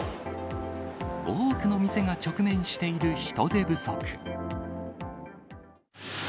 多くの店が直面している人手不足。